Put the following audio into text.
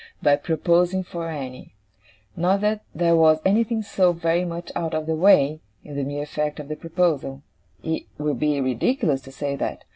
by proposing for Annie. Not that there was anything so very much out of the way, in the mere fact of the proposal it would be ridiculous to say that!